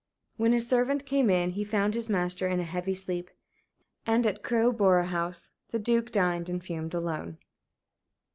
When his servant came in he found his master in a heavy sleep. And, at Crowborough House, the Duke dined and fumed alone.